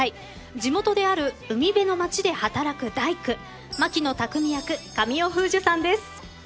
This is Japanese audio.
地元である海辺の町で働く大工牧野匠役神尾楓珠さんです。